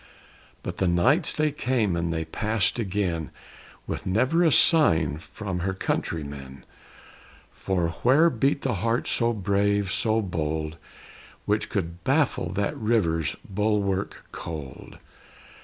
But the nights they came and they passed again, With never a sign from her countrymen; For where beat the heart so brave, so bold, Which could baffle that river's bulwark cold?